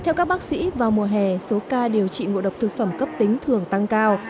theo các bác sĩ vào mùa hè số ca điều trị ngộ độc thực phẩm cấp tính thường tăng cao